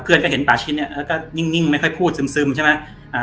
เพื่อนก็เห็นป่าชิ้นเนี้ยแล้วก็นิ่งนิ่งไม่ค่อยพูดซึมซึมใช่ไหมอ่า